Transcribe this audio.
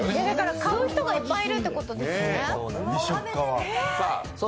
買う人がいっぱいいるっていうことですよね。